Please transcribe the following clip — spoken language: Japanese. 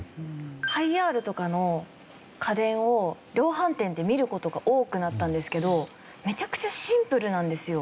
ハイアールとかの家電を量販店で見る事が多くなったんですけどめちゃくちゃシンプルなんですよ。